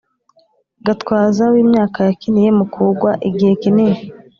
gatwaza w’imyaka yakiniye mukugwa igihe kinini